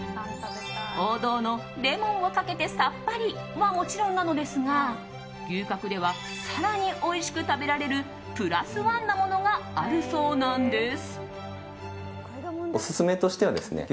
王道のレモンをかけてさっぱりはもちろんなのですが牛角では更においしく食べられるプラスワンなものがあるそうなんです。